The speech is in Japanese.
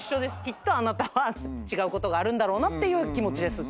きっとあなたは違うことがあるんだろうなって気持ちです。